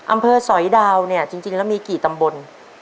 สอยดาวเนี่ยจริงแล้วมีกี่ตำบล